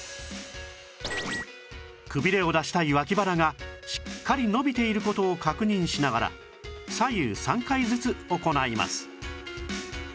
くびれを出したい脇腹がしっかり伸びている事を確認しながら左右３回ずつ行います